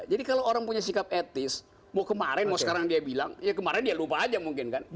jadi kalau orang punya sikap etis mau kemarin mau sekarang dia bilang ya kemarin dia lupa aja mungkin kan